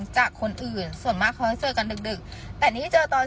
จากคนอื่นส่วนมากเขาจะเจอกันดึกดึกแต่นี่เจอตอน